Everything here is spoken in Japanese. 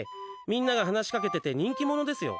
みんなが話しかけてて人気者ですよ。